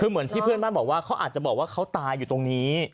คือเหมือนที่เพื่อนบ้านบอกว่าเขาอาจจะบอกว่าเขาตายอยู่ตรงนี้